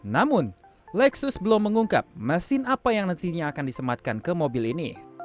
namun lexus belum mengungkap mesin apa yang nantinya akan disematkan ke mobil ini